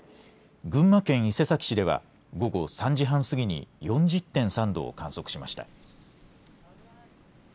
群馬県伊勢崎市では、午後３時半過ぎに４０．３度を観測しました。